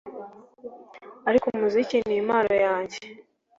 ariko umuziki ni impano yanjye